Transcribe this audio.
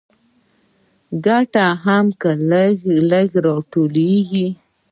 ګټه هم لږ لږ راټولېږي